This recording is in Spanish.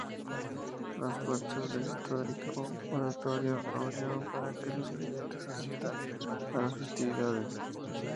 Las puertas del histórico oratorio abrieron para que los creyentes asistan a las festividades.